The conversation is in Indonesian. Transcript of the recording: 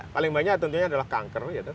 paling banyak tentunya adalah kanker